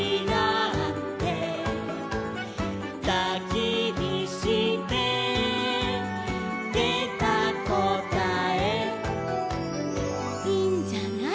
「たきびしてでたこたえ」「いいんじゃない」